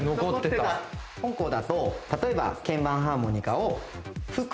本校だと例えば鍵盤ハーモニカを吹く。